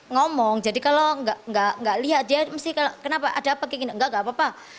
ngomong jadi kalau nggak lihat dia mesti kenapa ada apa nggak apa apa